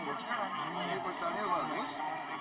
ini futsalnya bagus